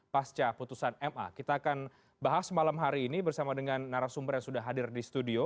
pasca putusan ma kita akan bahas malam hari ini bersama dengan narasumber yang sudah hadir di studio